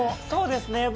そうですね。